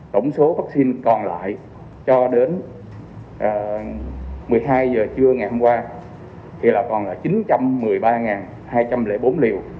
tổng số vaccine còn lại cho đến một mươi hai h trưa ngày hôm qua thì là còn là chín trăm một mươi ba hai trăm linh bốn liều